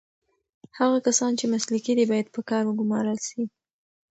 هغه کسان چې مسلکي دي باید په کار وګمـارل سي.